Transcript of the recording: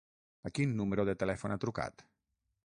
A quin número de telèfon ha trucat?